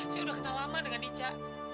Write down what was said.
saya sudah kenal lama dengan ica